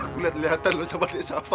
aku lihat lihatan sama dek syafanya